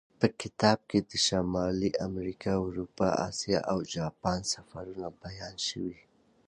په کتاب کې د شمالي امریکا، اروپا، اسیا او جاپان سفرونه بیان شوي.